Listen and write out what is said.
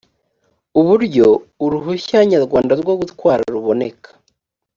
uburyo uruhushya nyarwanda rwo gutwara ruboneka